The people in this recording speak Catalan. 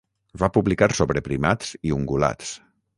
Va publicar sobre primats i ungulats.